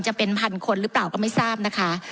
จะเป็นพันคนหรือเปล่าก็ไม่ทราบนะคะ